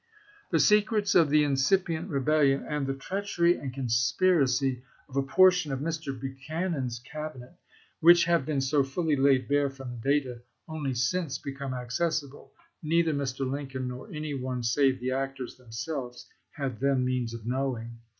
The secrets of the incipient rebellion, and the treachery and conspiracy of a portion of Mr. Buchanan's Cabinet, which have been so fully laid bare from data only since become accessible, neither Mr. Lincoln nor any one save the actors themselves had then means of knowing.